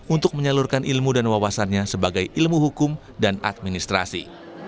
untuk menyalurkan ilmu dan wawasannya sebagai ilmu hukum dan administrasi